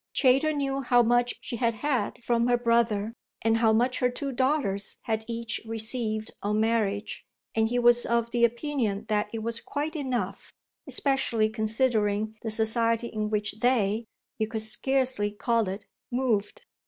Chayter knew how much she had "had" from her brother, and how much her two daughters had each received on marriage; and he was of the opinion that it was quite enough, especially considering the society in which they you could scarcely call it moved.